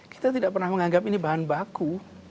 kita tidak pernah menganggap ini bahan baku